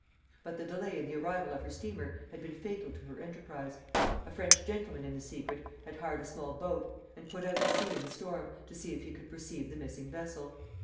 But the delay in the arrival of her steamer had been fatal to her enterprise. A French gentleman in the secret had hired a small boat, and put out to sea in the storm to see if he could perceive the missing vessel.